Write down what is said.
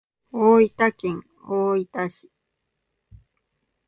大分県大分市